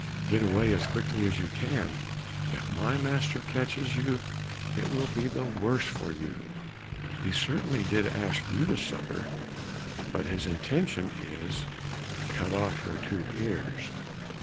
get away as quickly as you can, if my master catches you it will be the worse for you; he certainly did ask you to supper, but his intention is to cut off your two ears.